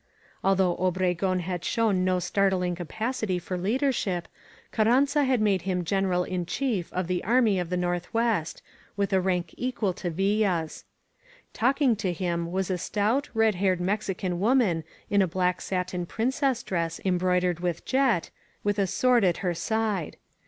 Although Obregon had shown no startling capacity for leader ship, Carranza had made him Greneral in Chief of the Army of the North West, with a rank equal to Villa's. Talking to him was a stout, red haired Mexican woman in a black satin princess dress embroidered with jet, with a sword at her side.